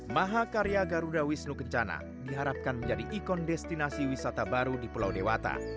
mahakarya garuda wisnu kencana diharapkan menjadi ikon destinasi wisata baru di pulau dewata